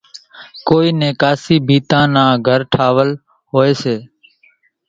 ڪونئين نين ڪاسِي ڀيتان نان گھر ٺاوَل هوئيَ سي۔